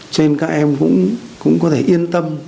cho nên các em cũng có thể yên tâm